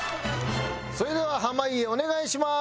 それでは濱家お願いします。